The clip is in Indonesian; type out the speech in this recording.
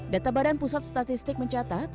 data badan pusat statistik mencatat